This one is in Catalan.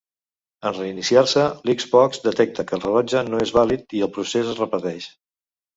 En reiniciar-se, l'Xbox detecta que el rellotge no és vàlid i el procés es repeteix.